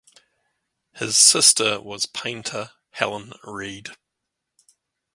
His sister was painter Helen Read.